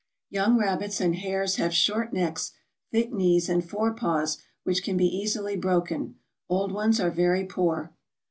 Young rabbits and hares have short necks, thick knees, and forepaws which can be easily broken; old ones are very poor.